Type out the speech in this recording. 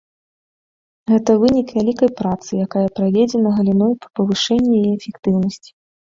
Гэта вынік вялікай працы, якая праведзена галіной па павышэнні яе эфектыўнасці.